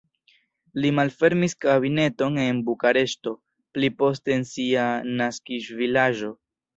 Li malfermis kabineton en Bukareŝto, pli poste en sia naskiĝvilaĝo.